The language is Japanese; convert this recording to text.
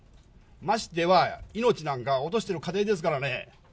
ましてや命なんか落としてる家庭ですからね。